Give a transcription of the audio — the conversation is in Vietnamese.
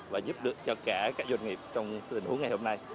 và giúp được cho cả các doanh nghiệp trong tình huống ngày hôm nay